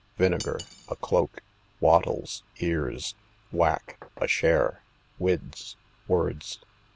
Vinegar, a cloak. Wattles, ears. Whack, a share. Whids, words.